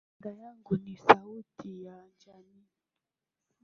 Dada yangu ni sauti ya jamii.